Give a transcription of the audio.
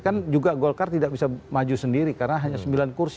kan juga golkar tidak bisa maju sendiri karena hanya sembilan kursi